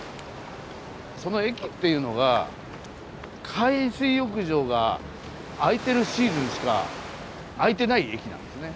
その駅っていうのが海水浴場が開いてるシーズンしか開いてない駅なんですね。